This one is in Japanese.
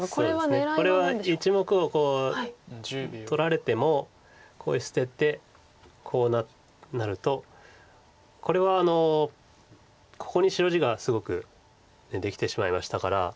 これは１目を取られても捨ててこうなるとこれはここに白地がすごくできてしまいましたから。